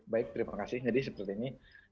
baik terima kasih jadi seperti ini